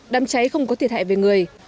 đám cháy không có thiệt hại về người